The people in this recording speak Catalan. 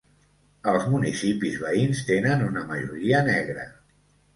Els municipis veïns tenen una majoria negra.